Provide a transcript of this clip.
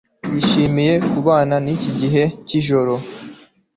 Yishimiye kubana niki gihe cyijoro